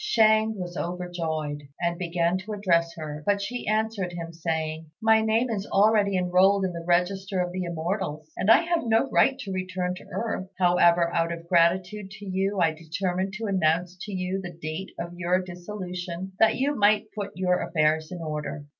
Shang was overjoyed, and began to address her; but she answered him, saying, "My name is already enrolled in the Register of the Immortals, and I have no right to return to earth. However, out of gratitude to you I determined to announce to you the date of your dissolution that you might put your affairs in order.